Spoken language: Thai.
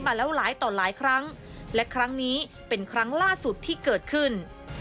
มาแล้วหลายต่อหลายครั้งและครั้งนี้เป็นครั้งล่าสุดที่เกิดขึ้น